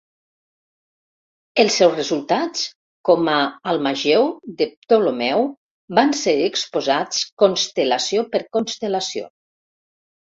Els seus resultats, com a "Almageu", de Ptolemeu, van ser exposats constel·lació per constel·lació.